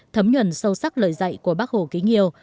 thấm nhuận sâu sắc lời dạy của bác hồ ký nghiêu